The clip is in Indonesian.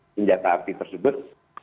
senjata api tersebut